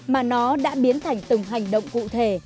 mà nó đã biến thành từng hành động cụ thể